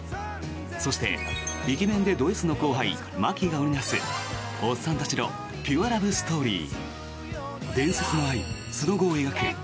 そして、イケメンでドＳの後輩牧が織りなすおっさんたちのピュアラブストーリー。